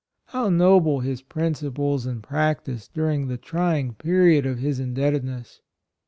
How noble his principles and practice during the trying period of his indebtedness!